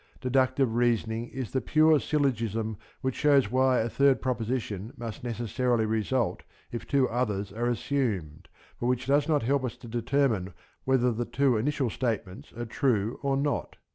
Deductive reasoning is the pure syllogism which shows why a third proposition must necessarily result if two others are assumed, but which does not help us to determine whether the two initial statements are true or not.